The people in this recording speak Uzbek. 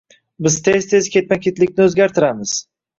Biz tez -tez ketma -ketlikni o'zgartiramiz